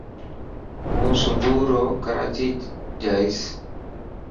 هون صبورو ڪراچي جائين.